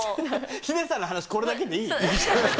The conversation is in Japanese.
ヒデさんの話、これだけでいい？